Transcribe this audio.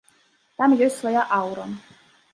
Там ёсць свая аўра.